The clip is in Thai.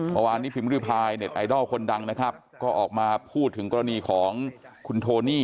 เมื่อวานนี้พิมพ์ริพายเน็ตไอดอลคนดังนะครับก็ออกมาพูดถึงกรณีของคุณโทนี่